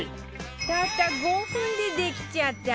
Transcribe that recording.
たった５分でできちゃった！